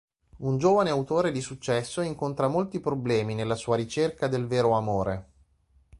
Un giovane autore di successo incontra molti problemi nella sua ricerca del vero amore.